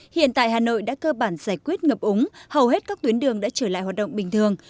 hiện tại hà nội đã cơ bản giải quyết ngập úng hầu hết các tuyến đường đã trở lại hoạt động bình thường